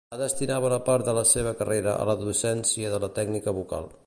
Va destinar bona part de la seva carrera a la docència de la tècnica vocal.